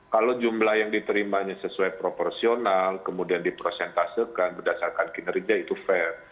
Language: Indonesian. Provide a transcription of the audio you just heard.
kalau jumlah yang diterimanya sesuai proporsional kemudian diprosentasekan berdasarkan kinerja itu fair